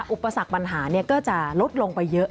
อุปสรรคปัญหาก็จะลดลงไปเยอะ